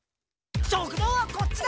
食堂はこっちだ！